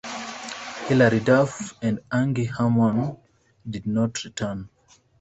Hilary Duff and Angie Harmon did not return.